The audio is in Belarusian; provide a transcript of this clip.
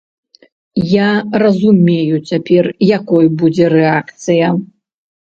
Я разумею цяпер, якой будзе рэакцыя.